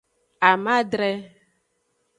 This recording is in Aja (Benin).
Amadre.